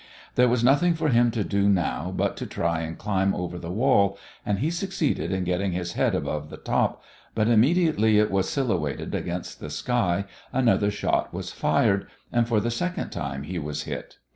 There was nothing for him to do now but to try and climb over the wall, and he succeeded in getting his head above the top, but immediately it was silhouetted against the sky another shot was fired, and for the second time he was hit.